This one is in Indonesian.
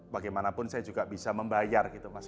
bagaimanapun saya juga bisa membayar gitu mas